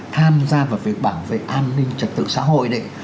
tham gia vào việc bảo vệ an ninh trật tự xã hội